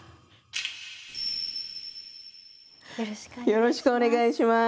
よろしくお願いします。